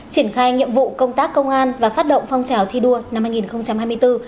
triển khai nhiệm vụ công tác công an và phát động phong trào thi đua năm hai nghìn hai mươi bốn